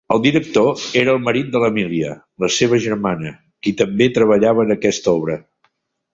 El director era marit de l'Emília, la seva germana, qui també treballava en aquesta obra.